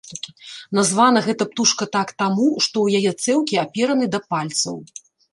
Названа гэта птушка так таму, што ў яе цэўкі апераны да пальцаў.